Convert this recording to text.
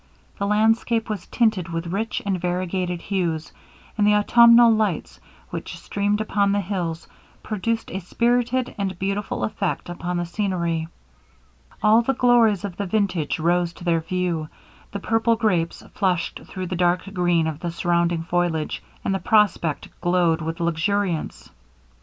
The landscape was tinted with rich and variegated hues; and the autumnal lights, which streamed upon the hills, produced a spirited and beautiful effect upon the scenery. All the glories of the vintage rose to their view: the purple grapes flushed through the dark green of the surrounding foliage, and the prospect glowed with luxuriance.